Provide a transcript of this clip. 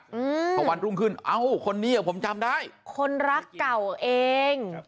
ต้องวันตรงขึ้นเอ้าคนนี้ก็ผมจำได้คนรักเก่าเอง